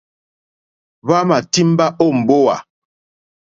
Hwámà tìmbá ó mbówà.